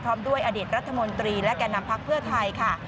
พร้อมด้วยอดีตรัฐมนตรีและแก่นำพักเพื่อไทยค่ะ